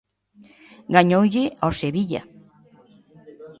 Gañoulle ao Sevilla.